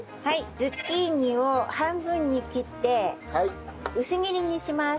ズッキーニを半分に切って薄切りにします。